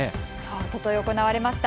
おととい行われました。